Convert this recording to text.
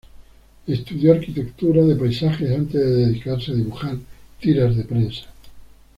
Estudió arquitectura de paisajes antes de dedicarse a dibujar tiras de prensa.